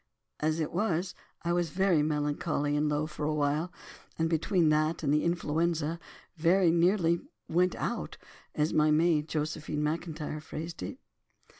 As it was, I was very melancholy and low for a while, and between that and influenza, very nearly 'went out,' as my maid, Josephine Macintyre, phrased it.